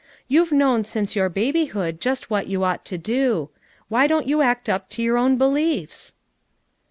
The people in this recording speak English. You've known since your baby hood just what you ought to do. Why don't you act up to your own beliefs?"